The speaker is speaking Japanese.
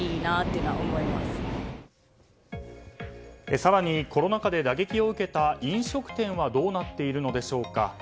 更にコロナ禍で打撃を受けた飲食店はどうなっているのでしょうか。